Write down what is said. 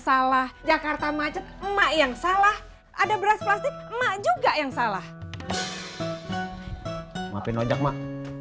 salah jakarta macet emak yang salah ada beras plastik emak juga yang salah ngapain ajak mak